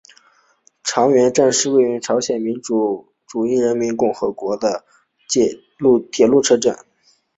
长渊站是位于朝鲜民主主义人民共和国黄海南道长渊郡长渊邑的一个铁路车站。